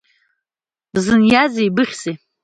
Бзыниазеи, ибыхьзеи?